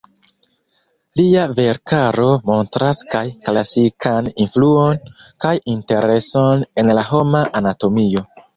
Lia verkaro montras kaj klasikan influon kaj intereson en la homa anatomio.